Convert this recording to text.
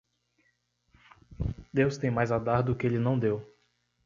Deus tem mais a dar do que ele não deu.